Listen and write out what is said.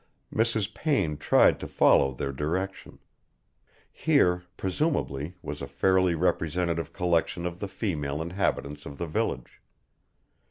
Mrs. Payne tried to follow their direction. Here, presumably, was a fairly representative collection of the female inhabitants of the village.